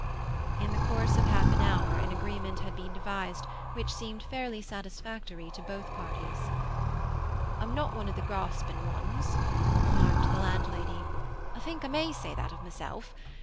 In the course of half an hour an agreement had been devised which seemed fairly satisfactory to both parties. "I'm not one of the graspin' ones," remarked the landlady. "I think I may say that of myself.